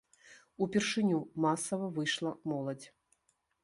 Упершыню масава выйшла моладзь.